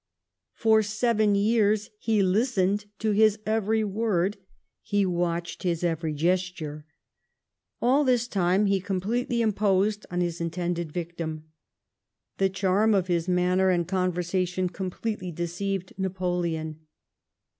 For seven years he listened to his every word, he watched his every gesture. All this time he completely imposed on his intended victim. The charm of his manner and conversation completely deceived Napoleon.